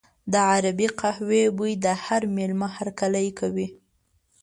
د عربي قهوې بوی د هر مېلمه هرکلی کوي.